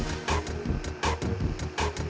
cepet udah kita lagi